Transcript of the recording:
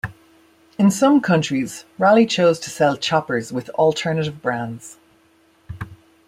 In some countries Raleigh chose to sell Choppers with alternative brands.